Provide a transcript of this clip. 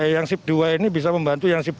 yang sip dua ini bisa membantu yang sip